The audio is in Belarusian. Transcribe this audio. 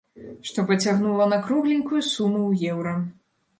Што пацягнула на кругленькую суму ў еўра.